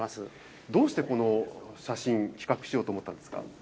どうしてこの写真、企画しようと思ったんですか。